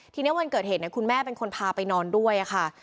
ทีนี้วันเกิดเหตุคุณแม่เป็นคนพาไปนอนด้วยค่ะ